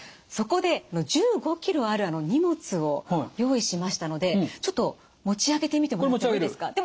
そこで１５ｋｇある荷物を用意しましたのでちょっと持ち上げてみてもらっていいですか？